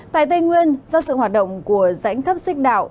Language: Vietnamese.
tại tây nguyên do sự hoạt động của rãnh thấp xích đạo